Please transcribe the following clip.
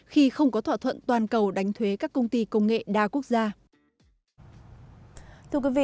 khi không có thỏa thuận toàn cầu đánh thuế các công ty công nghệ đa quốc gia